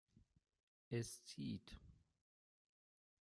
Es zieht.